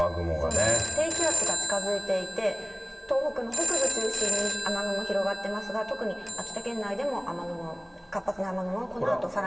北日本はこれ、秋田はすごいですそうなんです、低気圧が近づいていて、東北の北部中心に雨雲、広がってますが、特に秋田県内でも雨雲、活発な雨雲がこのあとさらに。